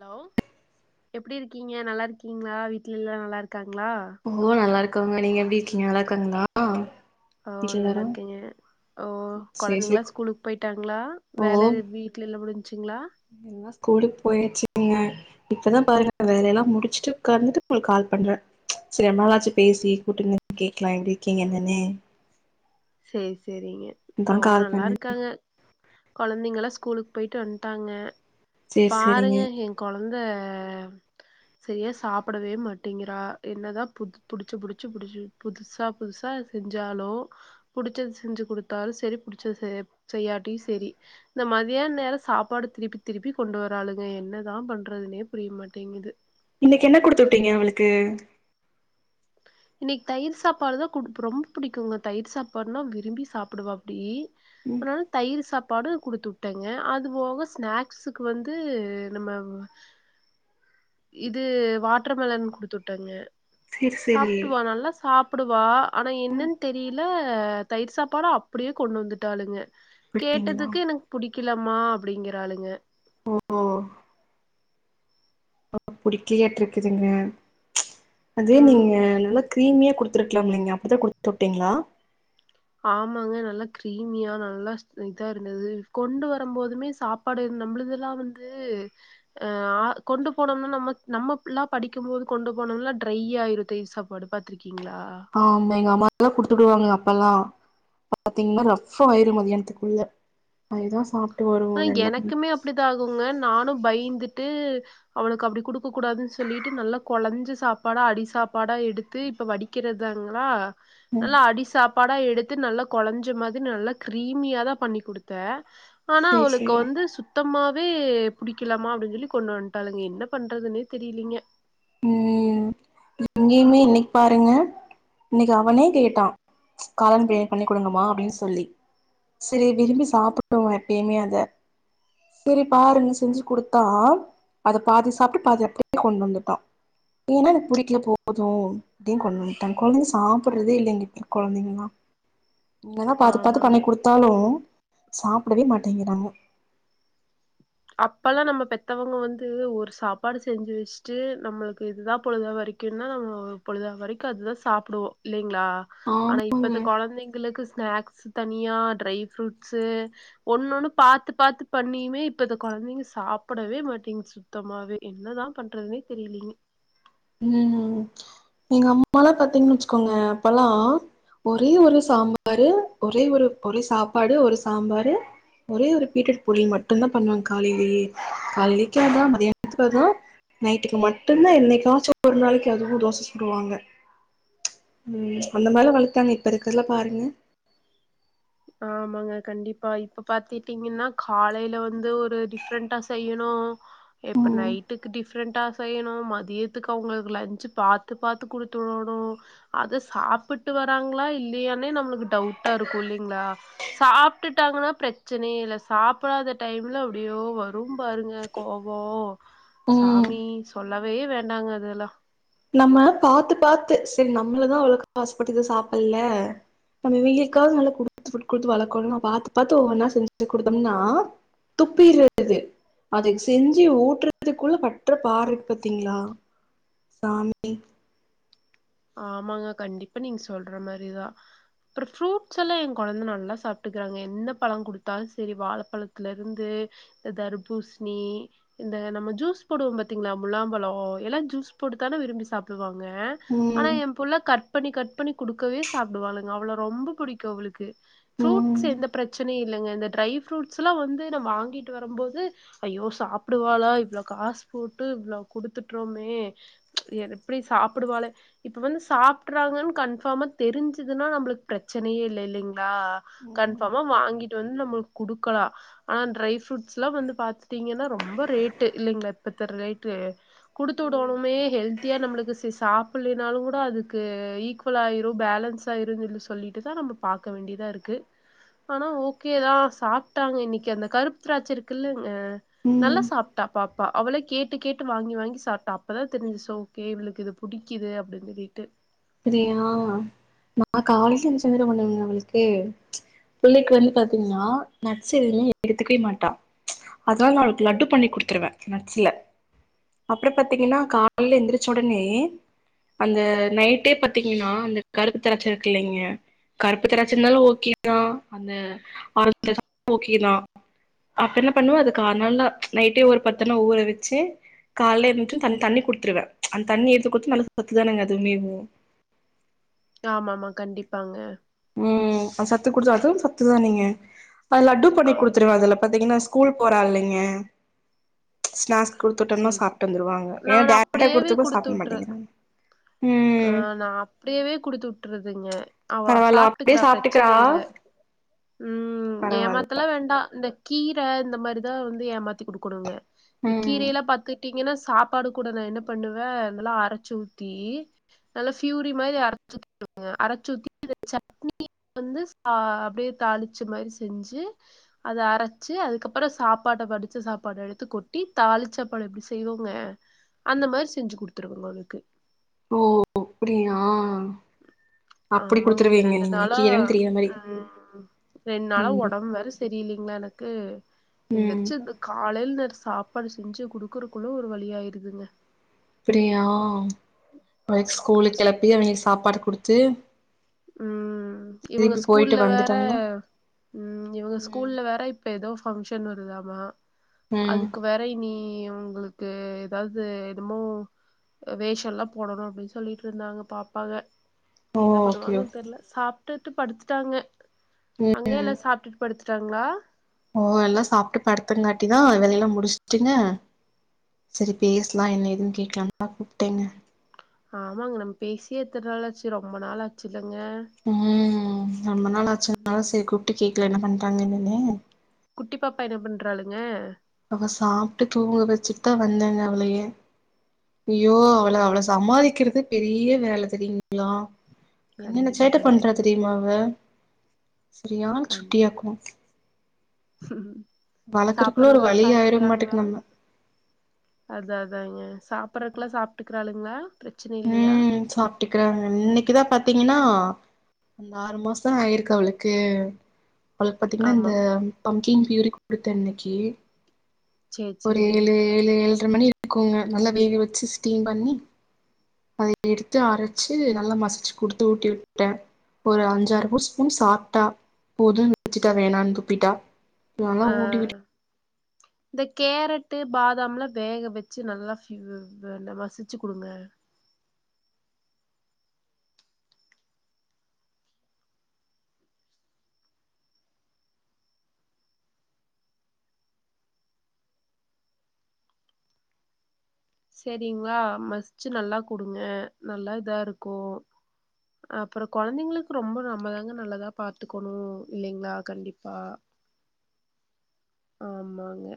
Hello எப்டி இருக்கிங்க நல்லா இருக்கிங்ளா வீட்ல எல்லா நல்லாருக்காங் ஓ நல்லாருக்காங்க நீங்க எப்டி இருக்கிங்க நல்லாருக்காங்ளா ஓ நல்லா இருக்கேங்க ஓ சேரி சேரி கொழந்தைங்ளா ஸ்கூலுக்கு போயிட்டாங்ளா ஓ வேல இது வீட்ல எல்லா முடிஞ்ச்சிங்ளா கூலுக்கு போயாச்சிங்க இப்பதா பாருங்க வேலை எல்லா முடிச்சிட்டு உக்காந்துட்டு உங்ளுக்கு கால் பண்ற செரி ரொம்ப நாளாச்சு பேசி கூப்ட்டு இன்னைக் கேக்லா எப்டி இருக்கிங்க என்னனு செரி செரிங்க ஓ கால் நல்லா பண்ணே இருக்காங்க கொழந்தைங்க எல்லா ஸ்கூலுக்கு போயிட்டு வன்ட்டாங்க சேரி சேரிங்க பாருங்க எ கொழந்த சரியா சாப்டவே மாட்டேங்கிறா என்னதா பு புடிச்சி புடிச்சி புடிச்சி புதுசா புதுசா செஞ்சாலு புடிச்சது செஞ்சு குடுத்தாலு செரி புடிச்சது செய்ய செய்யாட்டியு செரி இந்த மத்யான நேர சாப்பாடு திருப்பி திருப்பி கொண்டு வராளுங்க என்னதா பண்றதுனே புரியமாட்டேங்கிது இன்னக்கி என்ன குடுத்துட்டிங்க அவுளுக்கு இன்னக்கி தயிர் சாப்பாடு தா குடுப் ரொம்ப பிடிக்குங்க தயிர் சாப்பாடுனா விரும்பி சாப்டுவாப்டி ம் அதனால தயிர் சாப் பாடு குடுத்துட்டேங்க அது போக ஸ்நாக்ஸுக்கு வந்து நம்ம இது வாட்டர்மெலன் குடுத்துட்டங்க சேரி சேரி சாப்டுவா நல்லா சாப்டுவா ஆனா ம் என்னன் தெரில தயிர் சாப்பாடு அப்படியே கொண்டு வந்துட்டாளுங்க குடுத்தீங்களா கேட்டதுக்கு எனக்கு புடிக் கிலமா அப்பிடிங்கிறாளுங்க ஓ ஓ புடிக்கலயாட்ருக்குதுங்க அது நீங்க ம் நல்ல கிரீமியா குடுத்துருக்கலாமுல்லிங்க அப்டிதா குடுத்துட்டிங்ளா ஆமாங்க நல்லா கிரீமியா நல்லா ஸ் இதா இருந்தது கொண்டு வரும்போதுமே சாப்பாடு இருந் நம்மளுதெல்லா வந்து ஆ கொண்டு போனோம்னா நம்ம நம்ம பில்லா படிக்கும்போது கொண்டு போனம்னா ட்ரையாயிரு தயிர் சாப்பாடு பாத்ருக் ஆமா எங்க அம்மாலா குடுத்துடுவாங்க அப்பல்லா பாத்திங்னா ரஃப் ஆயிரு மத்யானத்துக்குள்ள அதைதா சாப் ஆ எனக்குமே அப்டிதா ஆகுங்க நானு பயிந்துட்டு அவளுக்கு அப்டி குடுக்கக்கூடாதுனு சொல்லிட்டு நல்லா கொலஞ்ச சாப்பாடா அடிசா சாப்பாடா எடுத்து இப்ப வடிக்கிறதாங்களா ம் நல்லா அடி சாப் பாடா எடுத்து நல்லா கொலஞ்ச மாதி நல்லா கிரீமியாதா பண்ணிக் குடுத்த ஆனா சேரி அவளுக்கு சேரி வந்து சுத்தமா வே புடிக்கலம்மா அப்டின் சொல்லி கொண்டு வன்ட்டாளுங்க என்ன பண்றதுனே தெரிலிங்க ம் இங்கயுமே இன்னைக் பாருங்க இன்னைக்கு அவனே கேட்டா காளான் பிரியாணி பண்ணி குடுங்கமா அப்டினு சொல்லி சரி விரும்பி சாப்டுவா எப்பயுமே அத செரி பாருங்கு செஞ்சு குடுத்தா அத பாதி சாப்ட்டு பாதி அப்டியே கொண்டு வந்துட்டா ஏன்னா எனக்கு புடிக்கல போது அப்டின் கொண்டு வந்துட்டா கொழந்தைங்க சாப்டுறதே இல்ல இங்க இருக்கற கொழந்தைங்கள்லா என்னதா பாத்து பாத்து ஆமாங்க. பண்ணி குடுத்தாலு சாப்டவே மாட்டேங்கிறாங்க அப்பல்லா நம்ம பெத்தவங்க வந்து ஒரு சாப்பாடு செஞ்சு வச்சுட்டு நம்மளுக்கு இதுதா பொழுதவரைக்கு ன்னா நம்ம பொழுத வரைக்கு அதுதா சாப்டுவோ இல்லீங் ங்களா ஆனா ஆமாங்க இப்பருக்க கொழந்தைங்களுக்கு ஸ்நாக்ஸ் தனியா ட்ரை ஃப்ரூட்ஸு ஒண்ணு ஒண்ணு பாத்து பாத்து பண்ணியுமே இப் இப்ப இந்த கொழந்தைங்க சாப்புடவே மாட்டீங்கு சுத்தமாவே என்னதா பண்றதுன்னே தெரியிலிங்க ம் எங்க அம்மாலா பாத்தீங்கன் வச்சுக்கோங்க அப்பல்லா ஒரே ஒரு சாம்பாரு ஒரே ஒரு ஒரே சாப்பாடு ஒரு சாம்பாரு ஒரே ஒரு பீட்ரூட் பொரியல் மட்டுந்தா பண்ணும் காலையிலேயே காலலிக்கு அதா மதியானத்துக்கு அதா நைட்டுக்கு மட்டுந்தா என்னைக்காச்சு ஒரு நாளைக்கு அதுவு தோச சுடுவாங்க ம் அந்த மாரிலா வளத்தாங்க இப்ப இருக்கறதெல்லா பாருங்க ஆமாங்க கண்டிப்பா இப்ப பாத்துட்டீங்கன்னா காலையில வந்து ஒரு டிஃப்ரெண்டா செய்யணு இப்ப நைட்டுக்கு டிஃப்ரெண்ட்டா செய்யணும் மதியத்துக்கு அவுங்களுக்கு லன்ச்சு பாத்து பாத்து குடுத்துடணும் அத சாப்பிட்டு வராங்களா இல்லையானே நம்மளுக்கு டவுட்டா இருக்கு இல்லங் ல்லீங்களா சாப்ட்டுட்டாங்கன்னா பிரச்சனையே இல்ல சாப்டாத டைம்ல அப்டியோ வரும் பாருங்க ங்க கோவோ ம் சாமி சொல்லவே வேண்டாங்க அதெல்லா நம்ம பாத்து பாத்து சரி நம்மளதா அவ்ளோவுக்கு ஆசப்பட்டத சாப்பல்ல நம்ம இவிங்களுக்காது நல்ல குடுத்து குடுத்து வளக்கணும் பாத்து பாத்து ஒவ்வொன்னா செஞ்சுக் குடுத்தோம்னா துப்பிர்றது அதுக்கு செஞ்சு ஊட்டுறதுக்குள்ள பற்ற பாரு இருக்கு பாத்தீங்களா சாமி ஆமாங்க கண்டிப்பா நீங்க சொல்ற மாரிதா அப்பற ஃப்ரூட்ஸ் எல்லா என் கொழந்த நல்லா சாப்ட்டுக்கிறாங்க எந்த பழ குடுத்தாலு சரி வாழப்பழத்துல இருந்து தர்பூசணி இந்த நம்ம ஜூஸ் போடுவோம் பாத்தீங்களா முளாம்பழ எல்லா ஜூஸ் போட்டுத்தான விரும்பி சாப்டுவாங்க ம் புல்லா கட் பண்ணி கட் பண்ணி குடுக்கவே சாப்டுவாலுங்க அவ்ள ரொம்ப புடிக்கு அவளுக்கு. ஃப்ரூட் ம் சேர்ந்தப் பிரச்சனை இல்லங்க, இந்த ட்ரை ஃப்ரூட்ஸ்ல்லா வந்து நா வாங்கிட்டு வரும்போது ஐயோ சாப்டுவாளா இ இவ்ளோ காஸ் போட்டு இவ்ளோ குடுத்துட்டறோமே எப்டி சாப்டுவாலே இப்ப வந்து சாப்டறாங்கன் கன்ஃபார்மா தெரிஞ்சதுன்னா நம்மளுக்கு பிரச்னையே இல்ல இல்லங்க லா கன்ஃபார்மா வாங்கிட் ட்டு வந்து நம்மளுக்கு குடுக்கலா ஆனா ட்ரைஃப்ருட்ஸ்லா வந்து பாத்துட்டீங்கன்னா ரொம்ப ரேட் இல்லங்கலா இப்ப ரேட்டு குடுத்து வுடோனுமே ஹெல்தியா நம்மளுக்கு சாப்பலயே இருனாலும் கூட அதுக்கு ஈக்குவல் ஆயிரு பேலன்ஸ் ஆயிரு சொல்ல சொல்லிட்டுதா நம்ம பாக்க வேண்டியதா இருக்கு ஆனா ஓகேதான் சாப்ட்டாங்க இன்னைக்கு அந்த கருப்பு திராட்சை இருக்குல்ல ஆ நல்லா ம் சாப்ட்டா பாப் பா அவலே கேட்டு கேட்டு வாங்கி வாங்கி சாப்ட்டா அப்பதா தெரிஞ்ச்சி ஓகே இவளுக்கு இது புடிக்குது அப் [unintelligible] சரியா நா காலைல எந்திரிச்சி என்ன தெரியுமா பண்ணுவ அவளுக்கு பிள்ளைக்கு வந்து பாத்தீங்ன்னா நட்ஸ் எதுமே எடுத்துக்கவே மாட்டா. அதனால நா அவளுக்கு லட்டு பண்ணி குடுத்துருவே நட்ஸ்ல. அப்புற பாத்தீங்கன்னா காலல எழுந்திரிச்ச வொடனே அந்த நைட் ட்டே பாத்தீங்கன்னா அந்த கருப்பு திராட்ச இருக்கு இல்லைங்க கருப்பு திராட்சை இருந்தாலு ஓகேதா அந்த ஆரஞ்சு [inaudible] ஓகேதா அப்ப என்ன பண்ணுவே அதுக்கு அத நல்லா நைட்டே ஒரு பத்தன்ன ஊற வச்சு கால இருந்துச்சு த தண்ணி கொடுத்துருவே அந்த தண்ணி எடுத்து குடுத்த நல்லா சத்துதானேங்க அதுமேவு ஆமா மா கண்டிப்பாங்க ம் சத்து குடுத்த அதும் சத்துதா நீங்க அது லட்டு பண்ணி ஆமா குடுத்துருவ அதுல பாத்தீங்கன்னா ஸ்கூல் போறால்லைங்க ஸ்நாக்ஸ் குடுத்து விட்டோம்னா சேரி சேரி சாப்ட்டு வந்துருவாங்க ஏன்னா நான் டைரக்டா அப்படியேவே குடுத்து அப்ப சாப்ட விட்டுரு மாட்டேங்கிறாங்க ஆ ம் நா அப்படியவே குடுத்து விட்டுருதுங்க அப் பரவால்ல அப்டியே சாப்ட்டுக்கறா சாப்ட்டுக்கிறா பிரச்சனை இல்ல ம் பரவால்ல ஏமாத்தலா வேண்டா இந்த கீரை இந்த மாரிதா வந்து ஏமாத்தி குடுக்கணுங்க இந்த ம் கீரையெல்லா பாத்து விட்டீங்கன்னா சாப்பாடு கூட நா என்ன பண்ணுவே அதெல்லா அரைச்சு ஊத்தி நல்லா ஃபியூரி மாதிரி அரைச்சி அ அரைச்சூத்தி சட்னி வந்து சா தாளிச்சு மா செஞ்சு அத அரைச்சு அதுக்கப்புற சாப்பாட வடிச்சு சாப்பாடு எடுத்து கொட் ட்டி தாலிச் சாப்பாடு எப்படி செய்வோங்க அந்த மாதிரி செஞ்சு குடுத்துருவங்க உங்களுக்கு அப்டியா அப்டி ஆமாங்க இந்த குடுத்துருவீங்க ரெண்டு நீங்க நாளா கீரன்னு தெரியிற மாரி ம் ரெண் நாளா ம் ஒடம்பு வேற சரியில்லைங்கலா எனக்கு ம் எந்திரிச்சு கா காலையல்நர் சாப்பாடு செஞ்சு குடுக்குறக்குள்ள ஒரு வழியாயிருதுங்க அப்டியா அவ ஸ்கூலுக்கு கஷ் கெளப்பி அவங்களுக்கு சாப்பாடு குடுத்து ம் ம் இவங்க திருப்பி போயிட்டு ஸ்கூல்ல வேற வந்துட்டாங்கன்னா ம் இவங்க ம் ஸ்கூல்ல வேற இப்ப ஏதோ ஃபண்ங்ஷ ன் வருதாம ம் அதுக்கு வேற இனி உங்களுக்கு ஏதாவது எதுமோ வேஷம்ல்லா போடணு அப்டின்னு சொல்லிட்டு இருந்தாங்க பாப்பாங்க ஓ ஓகே வாங்க ஓகே தெர்ல சாப்ட்டுட்டு படுத்துட்டாங்க அங்க ம் எல்லா சாப்ட்டுட்டு படுத்துட்டாங்களா ஓ எல்லா சாப்ட்டு பத்தங்காட்டிதா வேலையெல்லா முடிச்சுட்டுங்க சரி பேஸ்லா என்ன ஏதுனு கேக்கலான்னு தா கூப்ட்டேங்க ஆமாங்க நம்ம பேசிய எத்தனை நாாளாச்சு ரொம்ப நாாளாச்சு இல்லங்க ம் ரொம்ப நாள் ஆச்சுனால சரி கூப்பிட்டு கேக்கலா என்ன பண்றாங்க என்னனே குட்டி பாப்பா என்ன பண்றாளுங்க அவ சாப்ட்டு தூங்க வச்சுட்டு தா வந்தேங்க அவளயே ஐயோ அவள சேரி அவள சமாளிக்கிறதே பெரிய வேல தெரியுங்களா என்னென்ன கண்டிப்பா சேட்டை பண்றா கண்டிப்பா தெரியுமா அவ சரியான சுட்டியாக்கு ஹம் வளக்கறக்குள்ள ஒரு வழி ஆயிருவோம்மாட்டுக்கு நம்ம அதா அதாங்க சாப்பிறக்குல்லா சாப்ட்டுக்கிறாளுங்களா ம் சாப்ட்டுக்கறாங்க இன்னைக்குதா பாத்த பாத்தீங்கன்னா அந்த ஆறு மாச இருக்கு அவளுக்கு அவளுக்கு பாத்தீங்கன்னா இந்த ஆமாங்க பம்பிங் பியூரிக் குடுத்தே இன்னைக்கு சேரி ஒரு சேரிங்க ஏழு ஏழு ஏழரை மணி இருக்குங்க நல்லா வேக வச்சு ஸ்டீம் பண்ணி அத எடுத்து அரைச்சு நல்லா மசிச்சு குடுத்து ஊட்டி விட்டே ஒரு அஞ்சாறு பூ ஸ்பூன் சாப்பிட்டா போதும் வச்சிட்டா வேணான்னு துப்பிட்டா நல்லா ஆ ஊட்டி விட்டு ம் இந்த கேரட்டு பாதாம்ல்லா வேக வச்சு நல்லா மசிச்சு குடுங்க சரிங்களா மசிச்சு நல்லா குடுங்க நல்லா இதாருக்கு அப்புற குழந்தைங்களுக்கு ரொம்ப நம்மதாங்க நல்லதா பாத்துக்கணு இல்லைங்களா கண்டிப்பா ஆ ஆமாங்க